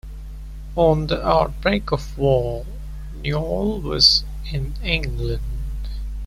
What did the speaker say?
On the outbreak of war, Newall was in England.